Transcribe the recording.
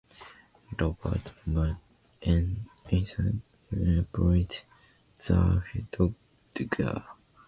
Robert Madge and Ethan Williams played The Artful Dodger.